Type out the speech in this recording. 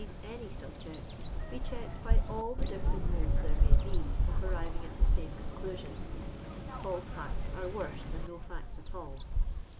'cd any sub ject, he checked hy all the different modes there may ho of aniving at the same concliusion. I'also farts are worse than no facts at all.